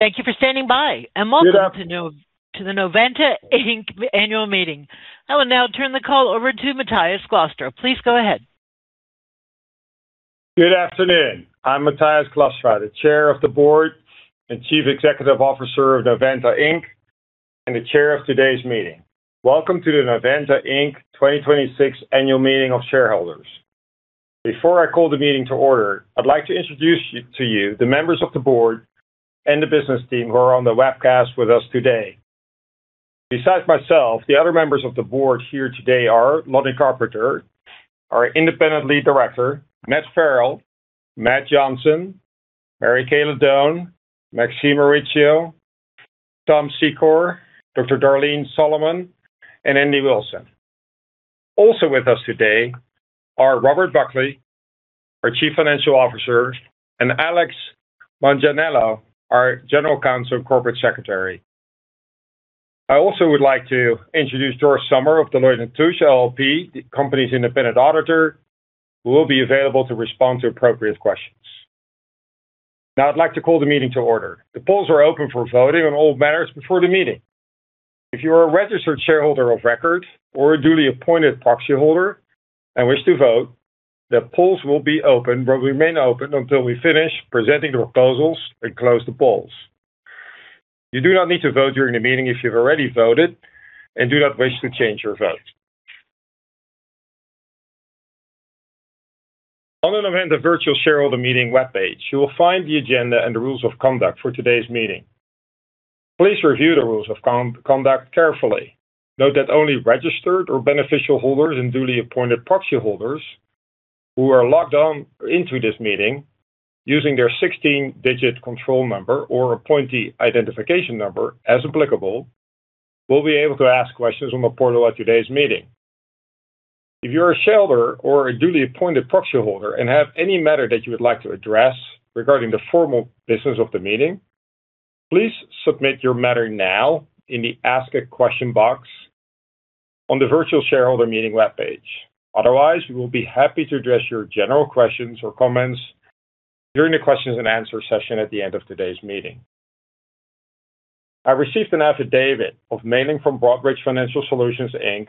Thank you for standing by, Good afternoon to the Novanta Inc. annual meeting. I will now turn the call over to Matthijs Glastra. Please go ahead. Good afternoon. I'm Matthijs Glastra, the Chair of the Board and Chief Executive Officer of Novanta Inc., and the chair of today's meeting. Welcome to the Novanta Inc. 2026 Annual Meeting of Shareholders. Before I call the meeting to order, I'd like to introduce to you the members of the board and the business team who are on the webcast with us today. Besides myself, the other members of the board here today are Lonny Carpenter, our Lead Independent Director, Matthew Farrell, R. Matt Johnson, Mary Katherine Ladone, Maxine Mauricio, Thomas N. Secor, Dr. Darlene Solomon, and Andy Wilson. Also with us today are Robert Buckley, our Chief Financial Officer, and Alexander Manganiello, our General Counsel and Corporate Secretary. I also would like to introduce George Sommer of Deloitte & Touche LLP, the company's independent auditor, who will be available to respond to appropriate questions. I'd like to call the meeting to order. The polls are open for voting on all matters before the meeting. If you're a registered shareholder of record or a duly appointed proxy holder and wish to vote, the polls will be open, but remain open until we finish presenting the proposals and close the polls. You do not need to vote during the meeting if you've already voted and do not wish to change your vote. On the Novanta virtual shareholder meeting webpage, you will find the agenda and the rules of conduct for today's meeting. Please review the rules of conduct carefully. Note that only registered or beneficial holders and duly appointed proxy holders who are logged on into this meeting using their 16-digit control number or appointee identification number, as applicable, will be able to ask questions on the portal at today's meeting. If you're a shareholder or a duly appointed proxy holder and have any matter that you would like to address regarding the formal business of the meeting, please submit your matter now in the Ask a Question box on the virtual shareholder meeting webpage. We will be happy to address your general questions or comments during the questions-and-answer session at the end of today's meeting. I received an affidavit of mailing from Broadridge Financial Solutions, Inc.,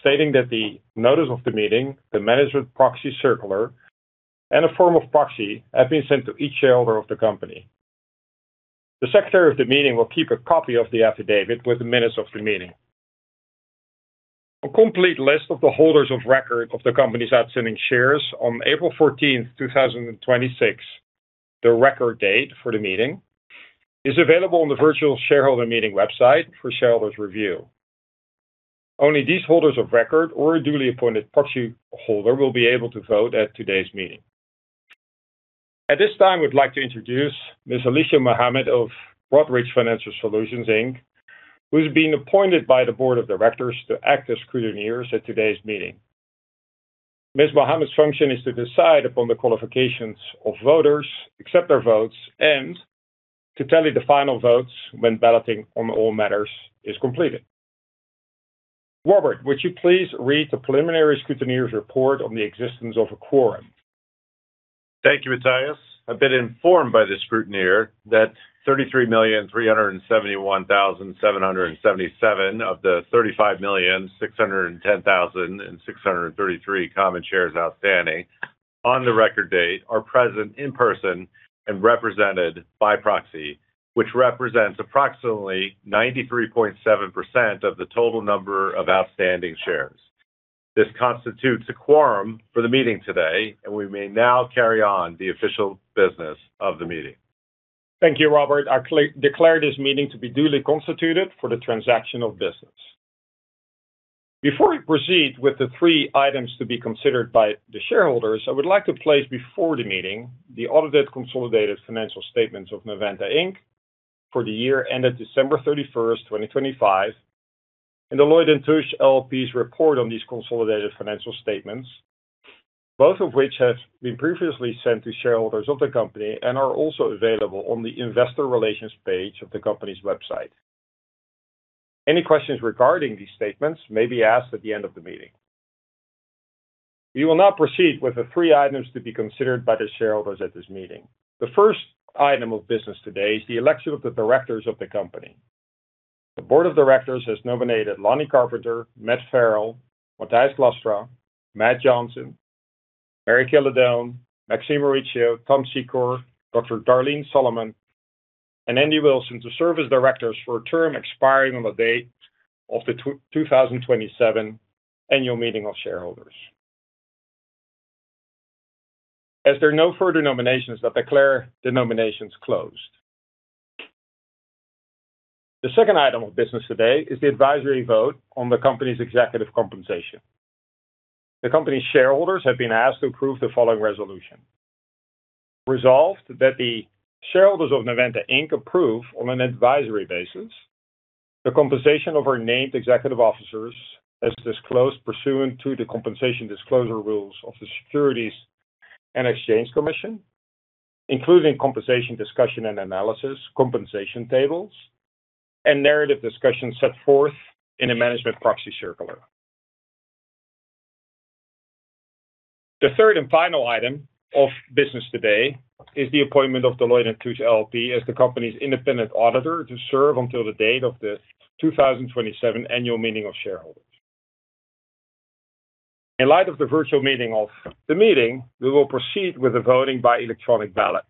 stating that the notice of the meeting, the management proxy circular, and a form of proxy have been sent to each shareholder of the company. The secretary of the meeting will keep a copy of the affidavit with the minutes of the meeting. A complete list of the holders of record of the company's outstanding shares on April 14th, 2026, the record date for the meeting, is available on the virtual shareholder meeting website for shareholders review. Only these holders of record or a duly appointed proxy holder will be able to vote at today's meeting. At this time, we'd like to introduce Ms. Alicia Mohammed of Broadridge Financial Solutions, Inc., who's been appointed by the board of directors to act as scrutineers at today's meeting. Ms. Mohammed's function is to decide upon the qualifications of voters, accept their votes, and to tally the final votes when balloting on all matters is completed. Robert, would you please read the preliminary scrutineer's report on the existence of a quorum? Thank you, Matthijs. I've been informed by the scrutineer that 33,371,777 of the 35,610,633 common shares outstanding on the record date are present in person and represented by proxy, which represents approximately 93.7% of the total number of outstanding shares. This constitutes a quorum for the meeting today, and we may now carry on the official business of the meeting. Thank you, Robert. I declare this meeting to be duly constituted for the transaction of business. Before we proceed with the three items to be considered by the shareholders, I would like to place before the meeting the audited consolidated financial statements of Novanta Inc. for the year ended December 31st, 2025, and Deloitte & Touche LLP's report on these consolidated financial statements, both of which have been previously sent to shareholders of the company and are also available on the investor relations page of the company's website. Any questions regarding these statements may be asked at the end of the meeting. We will now proceed with the three items to be considered by the shareholders at this meeting. The first item of business today is the election of the directors of the company. The board of directors has nominated Lonny Carpenter, Matt Farrell, Matthijs Glastra, Matt Johnson, Mary Katherine Ladone, Maxine Mauricio, Thomas Secor, Dr. Darlene Solomon, and Andy Wilson to serve as directors for a term expiring on the date of the 2027 annual meeting of shareholders. As there are no further nominations, I declare the nominations closed. The second item of business today is the advisory vote on the company's executive compensation. The company's shareholders have been asked to approve the following resolution. Resolved that the shareholders of Novanta Inc. approve, on an advisory basis, the compensation of our named executive officers as disclosed pursuant to the compensation disclosure rules of the Securities and Exchange Commission, including compensation discussion and analysis, compensation tables, and narrative discussions set forth in a management proxy circular. The third and final item of business today is the appointment of Deloitte & Touche LLP as the company's independent auditor to serve until the date of the 2027 annual meeting of shareholders. In light of the virtual nature of the meeting, we will proceed with the voting by electronic ballot.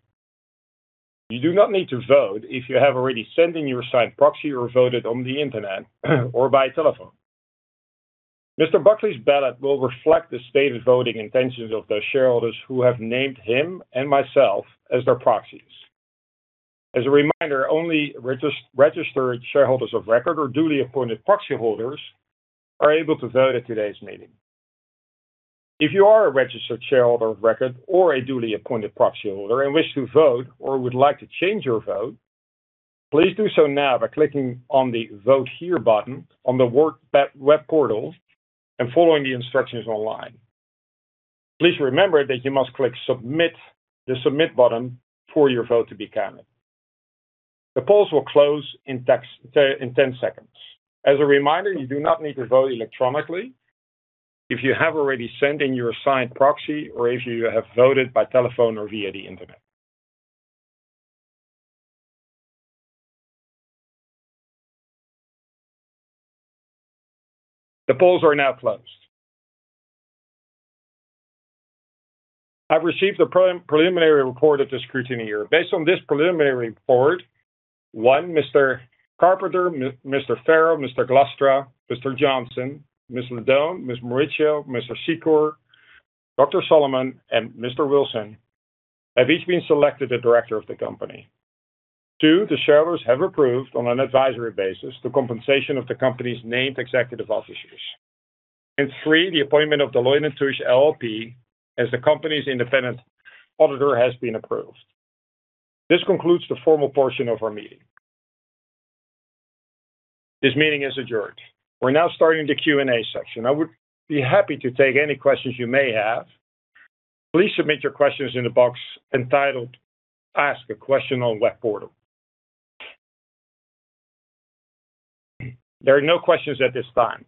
You do not need to vote if you have already sent in your signed proxy or voted on the internet or by telephone. Mr. Buckley's ballot will reflect the stated voting intentions of the shareholders who have named him and myself as their proxies. As a reminder, only registered shareholders of record or duly appointed proxy holders are able to vote at today's meeting. If you are a registered shareholder of record or a duly appointed proxy holder and wish to vote or would like to change your vote, please do so now by clicking on the Vote Here button on the web portal and following the instructions online. Please remember that you must click the Submit button for your vote to be counted. The polls will close in 10 seconds. As a reminder, you do not need to vote electronically if you have already sent in your signed proxy or if you have voted by telephone or via the internet. The polls are now closed. I've received the preliminary report of the scrutineer. Based on this preliminary report, one, Mr. Carpenter, Mr. Farrell, Mr. Glastra, Mr. Johnson, Ms. Ladone, Ms. Mauricio, Mr. Secor, Dr. Solomon, and Mr. Wilson have each been selected a director of the company. Two, the shareholders have approved on an advisory basis the compensation of the company's named executive officers. Three, the appointment of Deloitte & Touche LLP as the company's independent auditor has been approved. This concludes the formal portion of our meeting. This meeting is adjourned. We're now starting the Q&A section. I would be happy to take any questions you may have. Please submit your questions in the box entitled Ask a Question on the left portal. There are no questions at this time.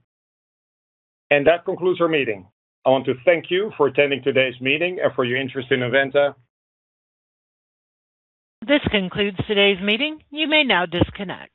That concludes our meeting. I want to thank you for attending today's meeting and for your interest in Novanta. This concludes today's meeting. You may now disconnect